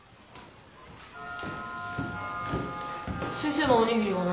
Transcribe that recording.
先生のおにぎりが何？